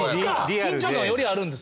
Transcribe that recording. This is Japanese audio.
緊張感はよりあるんです。